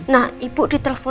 nah ibu ditelepon